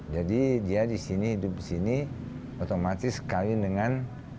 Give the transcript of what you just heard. jadi dia hidup di sini otomatis kawin dengan